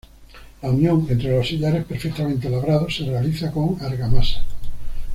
La unión entre los sillares, perfectamente labrados, se realiza con argamasa.